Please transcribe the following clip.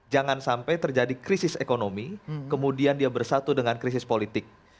jangan sampai terjadi krisis ekonomi kemudian dia bersatu dengan krisis politik